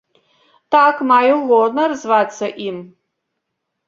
Так, маю гонар звацца ім.